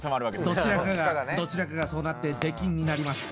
どちらかがどちらかがそうなって出禁になります。